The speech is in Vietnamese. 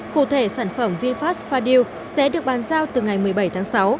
cụ thể sản phẩm vinfast fadil sẽ được bàn giao từ ngày một mươi bảy tháng sáu